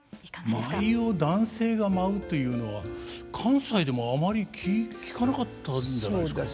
舞を男性が舞うというのは関西でもあまり聞かなかったんじゃないですか？